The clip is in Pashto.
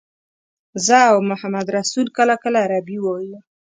زه او محمدرسول کله کله عربي وایو.